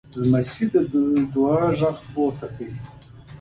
لمسی د دعا غږ پورته کوي.